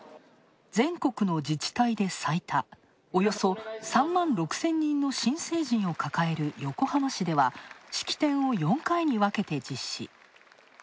全国の自治体で最多、およそ３万６０００人の新成人をかかえる横浜市では、式典を４回に分けて実施。